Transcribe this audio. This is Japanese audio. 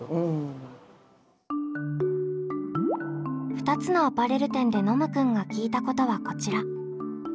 ２つのアパレル店でノムくんが聞いたことはこちら。